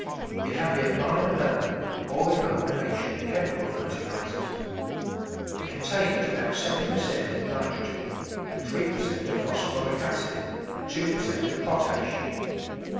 It can be applied alone or in combination with chem ical fertilisers. It contains about seven per cent of nitrogen and three per cent of phosphoric acid HOW TO MAINTAIN FERTILITY and two per cent of j)otash.